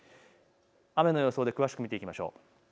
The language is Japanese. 雨の予想で詳しく見ていきましょう。